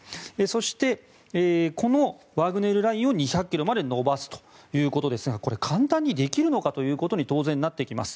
そして、このワグネルラインを２００ｋｍまで延ばすということですがこれ、簡単にできるのかと当然なってきます。